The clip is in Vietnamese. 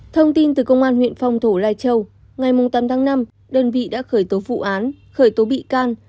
thông tin từ công an huyện phong thổ lai châu ngày tám tháng năm đơn vị đã khởi tố vụ án khởi tố bị can